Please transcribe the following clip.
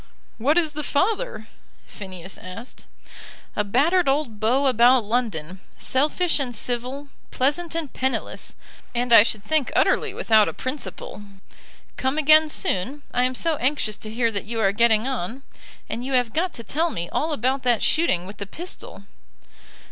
"What is the father?" Phineas asked. "A battered old beau about London, selfish and civil, pleasant and penniless, and I should think utterly without a principle. Come again soon. I am so anxious to hear that you are getting on. And you have got to tell me all about that shooting with the pistol."